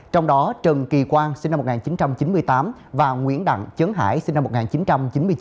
trong đó trần kỳ quang sinh năm một nghìn chín trăm chín mươi tám và nguyễn đặng trấn hải sinh năm một nghìn chín trăm chín mươi chín